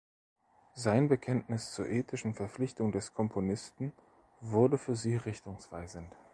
Sein Bekenntnis zur ethischen Verpflichtung des Komponisten wurde für sie richtungweisend.